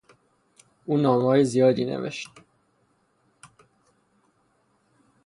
او نامههای زیادی نوشت.